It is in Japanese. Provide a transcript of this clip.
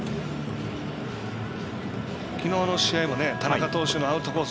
きのうの試合も田中投手のアウトコース